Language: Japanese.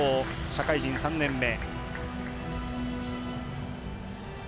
社会人３年目。